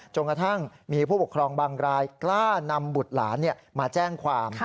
กระทั่งมีผู้ปกครองบางรายกล้านำบุตรหลานมาแจ้งความ